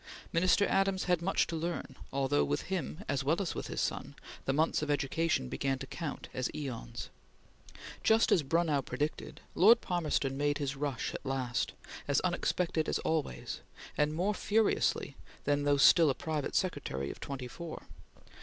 Minister Adams had much to learn, although with him as well as with his son, the months of education began to count as aeons. Just as Brunnow predicted, Lord Palmerston made his rush at last, as unexpected as always, and more furiously than though still a private secretary of twenty four.